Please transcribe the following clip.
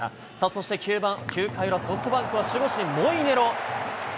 そして９回裏、ソフトバンクは守護神、モイネロ。